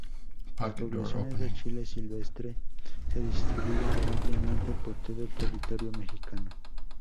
Las poblaciones de chile silvestre se distribuyen ampliamente por todo el territorio mexicano.